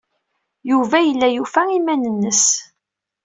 Yuba yella yufa iman-nnes.